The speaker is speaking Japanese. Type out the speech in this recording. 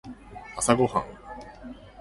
朝ごはん